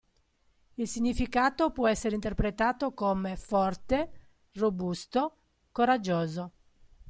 Il significato può essere interpretato come "forte", "robusto", "coraggioso".